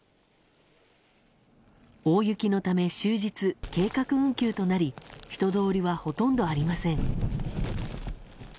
大雪のため終日計画運休となり人通りはほとんどありません。